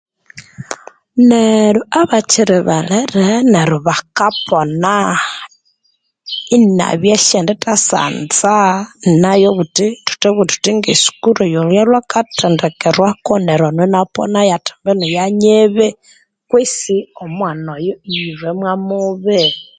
Neryo abakiri balere neryo bakapona iniabya shendithasanza nawo obuthi thuthabugha thuthi ngesukuru gholya alwekathendekerwako neryo Ono iniaponayo athi mbwino yanyibi kwisi omwano oyo iyilwemwamobi